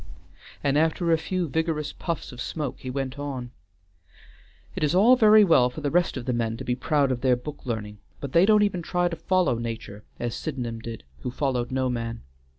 and after a few vigorous puffs of smoke he went on; "It is all very well for the rest of the men to be proud of their book learning, but they don't even try to follow nature, as Sydenham did, who followed no man.